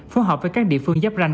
phù hợp với các địa phương giáp ranh